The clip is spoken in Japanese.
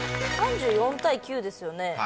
３４対９ですよね。